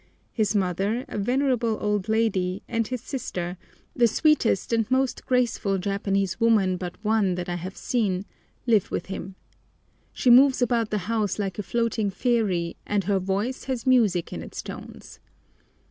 His mother, a venerable old lady, and his sister, the sweetest and most graceful Japanese woman but one that I have seen, live with him. She moves about the house like a floating fairy, and her voice has music in its tones.